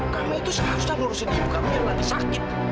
kami itu seharusnya ngurusin ibu kami yang lagi sakit